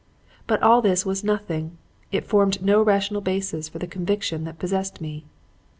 But all this was nothing. It formed no rational basis for the conviction that possessed me.